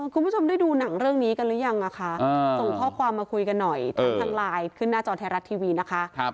คุณผู้ชมได้ดูหนังเรื่องนี้กันหรือยังนะค่ะ